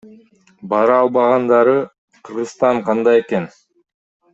Бара албагандары Кыргызстан кандай экен?